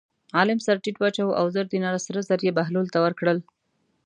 عالم سر ټیټ واچاوه او زر دیناره سره زر یې بهلول ته ورکړل.